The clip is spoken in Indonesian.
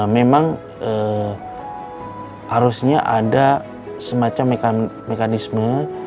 memang harusnya ada semacam mekanisme